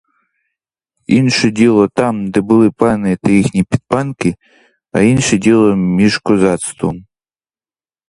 Інше діло там, де були пани та їхні підпанки, а інше діло між козацтвом.